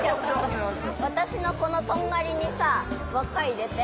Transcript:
わたしのこのとんがりにさわっかいれて。